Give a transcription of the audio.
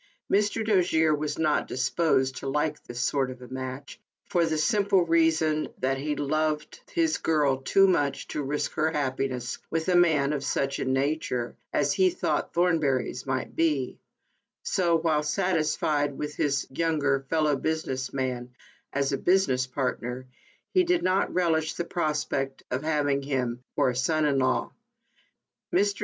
14 ALICE ; OR, THE WAGES OF SIN. Mr. Dojere was not disposed to like this sort of a match, for the simple reason that he loved his girl too much to risk her happiness with a man of such a nature, as he thought Thornbury's might be; "so, while satisfied with his younger fellow businessman as a business partner, he did not relish the prospect of having him for a son in law. Mr.